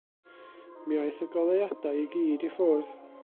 Mi aeth y goleuadau i gyd i ffwrdd.